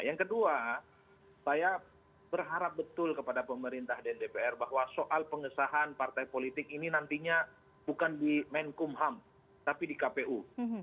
yang kedua saya berharap betul kepada pemerintah dan dpr bahwa soal pengesahan partai politik ini nantinya bukan di menkumham tapi di kpu